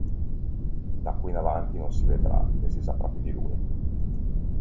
Da qui in avanti non si vedrà, né si saprà più di lui.